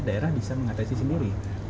daerah bisa mengatasi sendiri